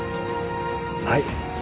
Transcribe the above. はい。